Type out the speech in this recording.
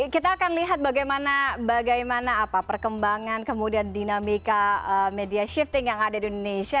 kita akan lihat bagaimana perkembangan kemudian dinamika media shifting yang ada di indonesia